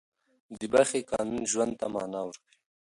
د بښې قانون ژوند ته معنا ورکوي.